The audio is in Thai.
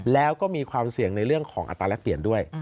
แล้วก็มีความเสี่ยงในเรื่องของอัตราแรกเปลี่ยนด้วย